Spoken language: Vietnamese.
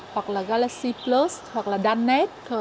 hoặc là galaxy plus hoặc là danet